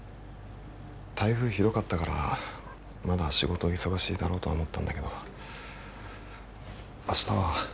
台風ひどかったからまだ仕事忙しいだろうとは思ったんだけど明日は。